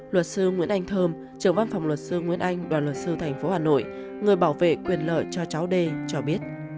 luật sư nguyễn anh thơm trưởng văn phòng luật sư nguyễn anh đoàn luật sư thành phố hà nội người bảo vệ quyền lợi cho cháu d cho biết